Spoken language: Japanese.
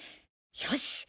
よし。